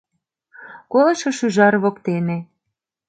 Колышо шӱжар воктене